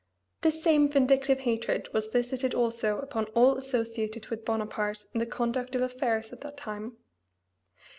This same vindictive hatred was visited also upon all associated with Bonaparte in the conduct of affairs at that time.